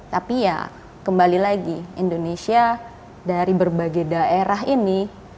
tapi ya kembali lagi indonesia dari berbagai daerah ini